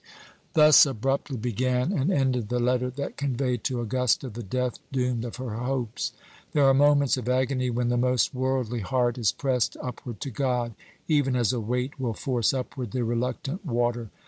Thus abruptly began and ended the letter that conveyed to Augusta the death doom of her hopes. There are moments of agony when the most worldly heart is pressed upward to God, even as a weight will force upward the reluctant water.